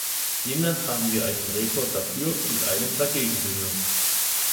Demnach haben wir einen Redner dafür und einen dagegen gehört.